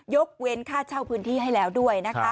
ยกเว้นค่าเช่าพื้นที่ให้แล้ว